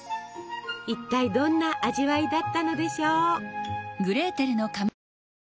一体どんな味わいだったのでしょう。